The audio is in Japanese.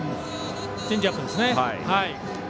チェンジアップですね。